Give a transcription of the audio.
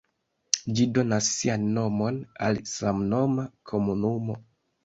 Ĝi donas sian nomon al samnoma komunumo.